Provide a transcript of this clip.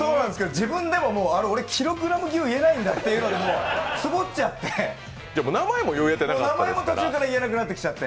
自分でも俺、あれっ「キログラム級」言えないんだってツボっちゃって、名前も途中から言えなくなっちゃって。